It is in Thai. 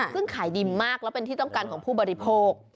ซึ่งขายดีมากและเป็นที่ต้องการของผู้บริโภค